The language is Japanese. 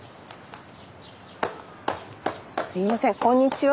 すみませんこんにちは。